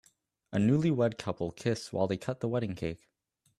A newlywed couple kiss while they cut the wedding cake